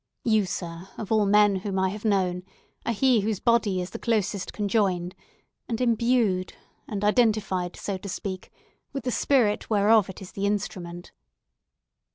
You, sir, of all men whom I have known, are he whose body is the closest conjoined, and imbued, and identified, so to speak, with the spirit whereof it is the instrument."